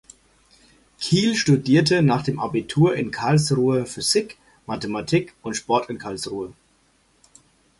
Kiel studierte nach dem Abitur in Karlsruhe Physik, Mathematik und Sport in Karlsruhe.